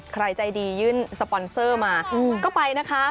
ใครใจดียื่นสปอนเซอร์มาก็ไปนะคะ